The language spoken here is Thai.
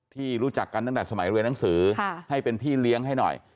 ที่รู้จักกันตั้งแต่สมัยเรียนหนังสือให้เป็นพี่เลี้ยงให้หน่อย